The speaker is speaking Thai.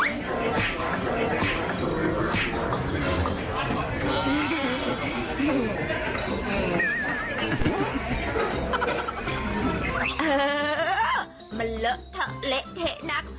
เออมันเลอะเทอะเละเทะนัก